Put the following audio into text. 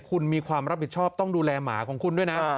คุณมีความรับผิดชอบต้องดูแลหมาของคุณด้วยนะ